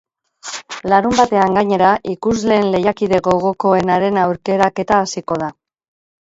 Larunbatean, gainera, ikusleen lehiakide gogokoenaren aukeraketa hasiko da.